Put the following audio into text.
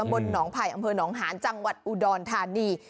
บนหนองไผ่อำเภอหนองหาญจังหวัดอุดรธานี